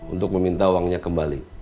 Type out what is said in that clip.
untuk meminta uangnya kembali